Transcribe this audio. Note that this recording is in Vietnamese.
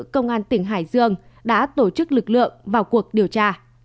công an tỉnh hải dương đã tổ chức lực lượng vào cuộc điều tra